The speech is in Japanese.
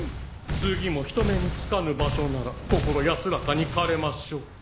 次も人目につかぬ場所なら心安らかに狩れましょう。